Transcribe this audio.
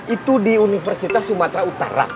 itu di universitas sumatera utara